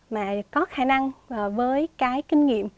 mà có khả năng với cái kinh nghiệm